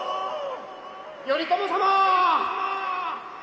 頼朝様！